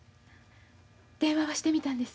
電話はしてみたんです。